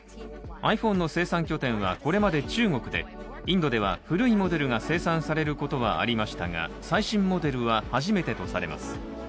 ｉＰｈｏｎｅの生産拠点はこれまで中国で、インドでは古いモデルが生産されることはありましたが、最新モデルは初めてとされます。